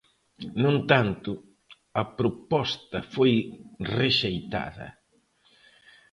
No entanto, a proposta foi rexeitada.